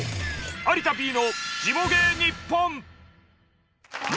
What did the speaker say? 「有田Ｐのジモ芸ニッポン」。